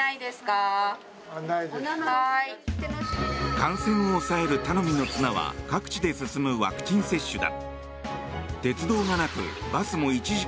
感染を抑える頼みの綱は各地で進むワクチン接種だ。